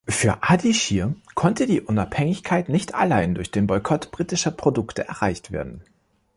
Für Ardeshir konnte die Unabhängigkeit nicht allein durch den Boykott britischer Produkte erreicht werden.